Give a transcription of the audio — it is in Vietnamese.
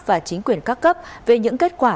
và chính quyền các cấp về những kết quả